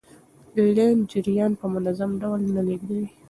لین جریان په منظم ډول نه لیږدوي.